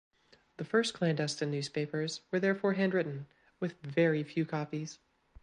The first clandestine newspapers were therefore handwritten with very few copies.